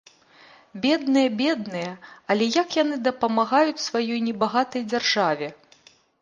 Бедныя-бедныя, але як яны дапамагаюць сваёй небагатай дзяржаве!